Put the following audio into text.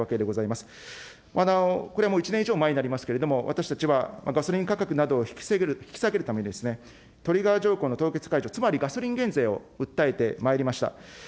またこれはもう１年以上前になりますけれども、私たちはガソリン価格などを引き下げるためにですね、トリガー条項の凍結解除、つまりガソリン減税を訴えてまいりました。